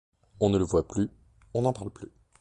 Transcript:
On ne le voit plus, on n'en parle plus.